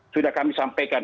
sudah kami sampaikan